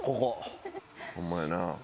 ホンマやな。